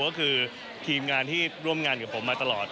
ก็คือทีมงานที่ร่วมงานกับผมมาตลอด